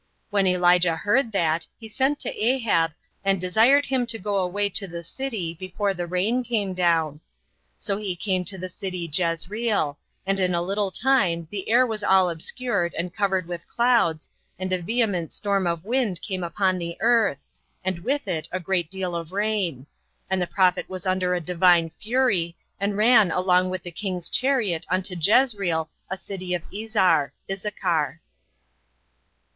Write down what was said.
When Elijah heard that, he sent to Ahab, and desired him to go away to the city before the rain came down. So he came to the city Jezreel; and in a little time the air was all obscured, and covered with clouds, and a vehement storm of wind came upon the earth, and with it a great deal of rain; and the prophet was under a Divine fury, and ran along with the king's chariot unto Jezreel a city of Izar 35 [Issaachar].